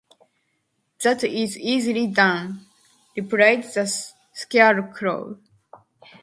"That is easily done," replied the Scarecrow.